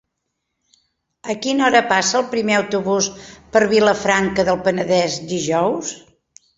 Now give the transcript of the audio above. A quina hora passa el primer autobús per Vilafranca del Penedès dijous?